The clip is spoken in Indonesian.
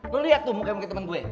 lo liat tuh muka muka temen gue